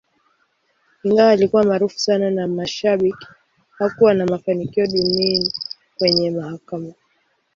Ingawa alikuwa maarufu sana na mashabiki, hakuwa na mafanikio duni kwenye mahakama.